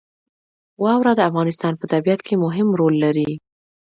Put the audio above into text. واوره د افغانستان په طبیعت کې مهم رول لري.